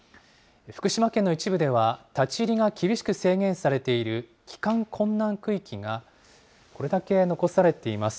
福島県の一部では、立ち入りが厳しく制限されている帰還困難区域がこれだけ残されています。